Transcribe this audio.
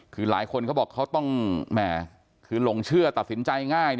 คือหลายคนเขาบอกคือต้องลงเชื่อตัดสินใจง่าย